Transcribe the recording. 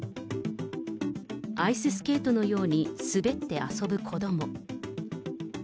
アイススケートのように滑って遊ぶ子ども。